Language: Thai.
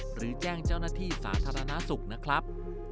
หรือแจ้งเจ้าหน้าที่สาธารณสุขนะครับ